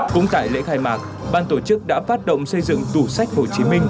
cũng tại lễ khai mạc ban tổ chức đã phát động xây dựng tủ sách hồ chí minh